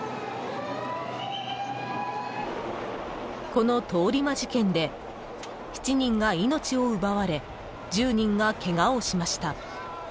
［この通り魔事件で７人が命を奪われ１０人がケガをしました］